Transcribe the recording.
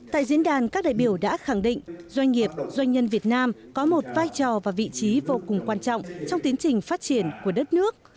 tại diễn đàn các đại biểu đã khẳng định doanh nghiệp doanh nhân việt nam có một vai trò và vị trí vô cùng quan trọng trong tiến trình phát triển của đất nước